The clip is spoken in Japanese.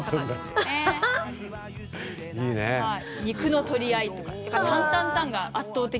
「肉の取り合い」とかって。